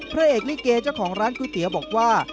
พระเอกลิเกเจ้าของร้านก๋วยเตี๋ยวบอกว่า